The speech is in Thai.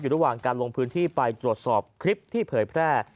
ระหว่างการลงพื้นที่ไปตรวจสอบคลิปที่เผยแพร่